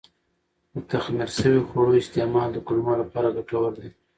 د تخمیر شوي خواړو استعمال د کولمو لپاره ګټور دی.